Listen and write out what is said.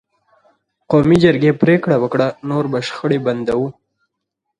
قومي جرګې پرېکړه وکړه: نور به شخړې بندوو.